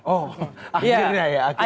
oh akhirnya ya